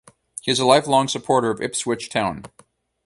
He is a lifelong supporter of Ipswich Town.